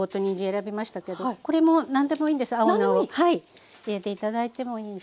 青菜を入れて頂いてもいいし。